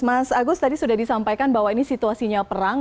mas agus tadi sudah disampaikan bahwa ini situasinya perang